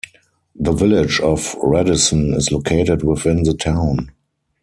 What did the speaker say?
The Village of Radisson is located within the town.